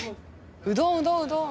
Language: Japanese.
うどんうどんうどん！